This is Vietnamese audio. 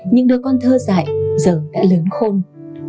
những đứa con thơ dạy giờ đã lớn không